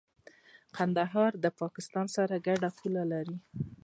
کندهار د پاکستان سره ګډه پوله لري.